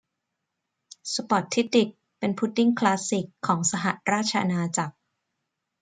สป็อททิด ดิก เป็นพุดดิ้งคลาสสิกของสหราชอาณาจักร